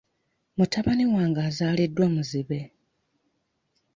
Mutabani wange azaliddwa muzibe.